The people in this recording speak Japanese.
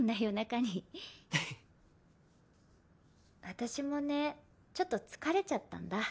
私もねちょっと疲れちゃったんだ。